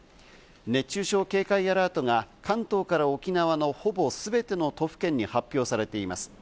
熱中症警戒アラートが関東から沖縄のほぼすべての都府県に発表されています。